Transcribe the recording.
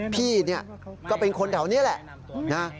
พี่เนี่ยก็เป็นคนแถวนี้แหละนะ